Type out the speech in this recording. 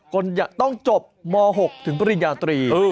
จนจะต้องจบม๖ถึงปริญญาตรี